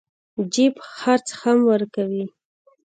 جيب خرڅ هم ورکوي.